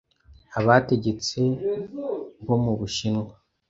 Abategetse bo mu Bushinwa